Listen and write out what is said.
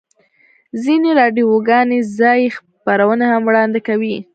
ځینې راډیوګانې ځایی خپرونې هم وړاندې کوي